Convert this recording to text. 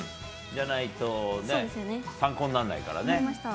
じゃないとね、参考になんな分かりました。